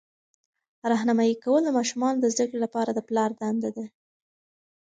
راهنمایي کول د ماشومانو د زده کړې لپاره د پلار دنده ده.